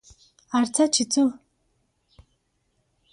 ارڅه چې څو